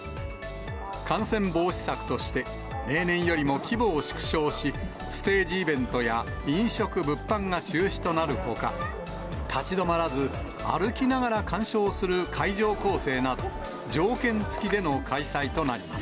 感染防止策として、例年よりも規模を縮小し、ステージイベントや飲食・物販が中止となるほか、立ち止まらず、歩きながら鑑賞する会場構成など、条件付きでの開催となります。